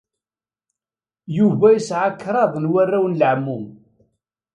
Yuba yesɛa kraḍ n warraw n leɛmum.